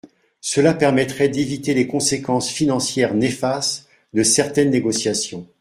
Cela permettrait d’éviter les conséquences financières néfastes de certaines négociations.